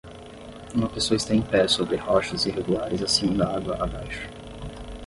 Uma pessoa está em pé sobre rochas irregulares acima da água abaixo.